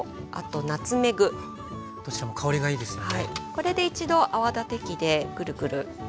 これで一度泡立て器でぐるぐる。